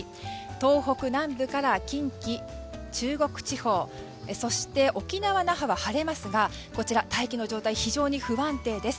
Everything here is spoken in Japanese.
東北南部から近畿、中国地方そして沖縄・那覇は晴れますがこちら、大気の状態が非常に不安定です。